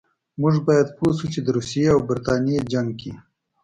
موږ باید پوه شو چې د روسیې او برټانیې جنګ کې.